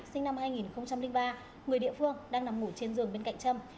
sinh năm hai nghìn ba người địa phương đang nằm ngủ trên giường bên cạnh châm